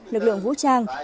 lực lượng vũ trang